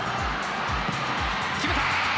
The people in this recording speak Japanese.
決めた！